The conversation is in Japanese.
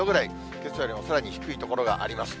けさよりもさらに低い所があります。